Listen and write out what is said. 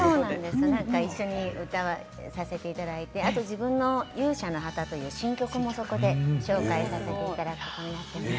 一緒に歌わさせていただいてあと自分の「勇者の旗」という新曲もそこで紹介させていただきます。